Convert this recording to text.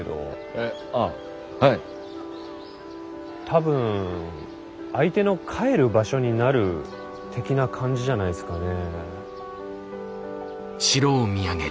多分相手の「帰る場所になる」的な感じじゃないすかね。